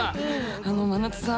あの真夏さん